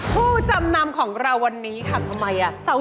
ผู้จำนำของเราวันนี้ค่ะทำไม